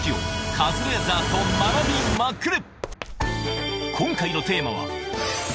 カズレーザーと学びまくれ！